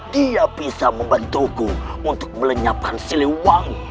dia bisa membantuku untuk melenyapkan siliwangi